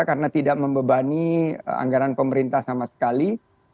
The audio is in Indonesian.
karena tidak membebani anggaran pemerintah sama sekali